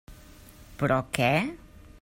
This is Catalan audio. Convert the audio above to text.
Però, què?